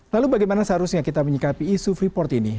lalu bagaimana seharusnya kita menyikapi isu freeport ini